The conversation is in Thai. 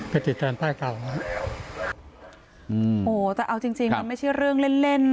ไปติดแฟนป้ายเก่าฮะอืมโหแต่เอาจริงจริงมันไม่ใช่เรื่องเล่นเล่น